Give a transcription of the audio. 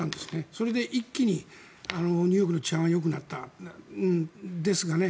それで一気に、ニューヨークの治安はよくなったんですがね。